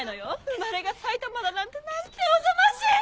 生まれが埼玉だなんてなんておぞましい！